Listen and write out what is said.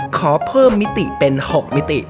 ขอเพิ่มมิติเป็น๖มิติ